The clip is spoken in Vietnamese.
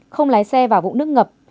không lái xe vào vụ nước ngập